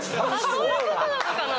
そういうことなのかな？